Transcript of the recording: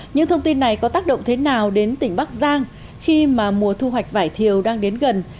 những thông tin này có tác động thế nào đến tỉnh bắc giang khi mà mùa thu hoạch vải thiều đang đến gần